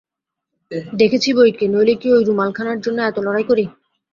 দেখেছি বৈকি, নইলে কি ঐ রুমালখানার জন্যে এত লড়াই করি?